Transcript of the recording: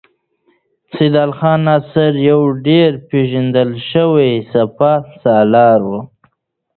سیدال خان ناصر یو ډېر پیژندل شوی سپه سالار و.